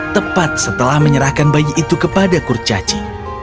tepat setelah menyerahkan bayi itu kepada kurcaci